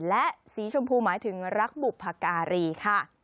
และสีชมพูหมายถึงรักบุพการีค่ะ